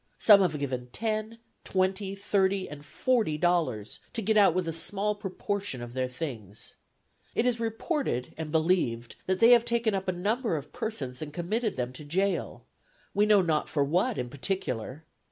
Some have given ten, twenty, thirty, and forty dollars, to get out with a small proportion of their things. It is reported and believed that they have taken up a number of persons and committed them to jail, we know not for what in particular.